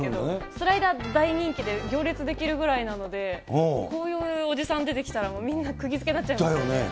スライダー大人気で行列できるぐらいなんで、こういうおじさん出てきたらもうみんなくぎづけになっちゃいますよね。